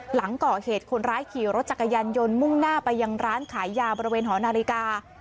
หลังก่อเหตุคนร้ายขี่รถจักรยานยนต์มุ่งหน้าไปยังร้านขายยาบริเวณหอนาฬิกา